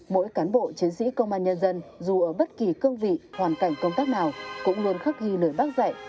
mỗi cán bộ chiến sĩ công an nhân dân dù ở bất kỳ cương vị hoàn cảnh công tác nào cũng luôn khắc ghi lời bác dạy